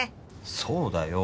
そうだよ。